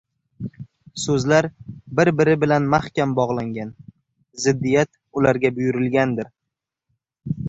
So‘zlar bir-biri bilan mahkam bog‘langan, ziddiyat ularga buyurilgandir.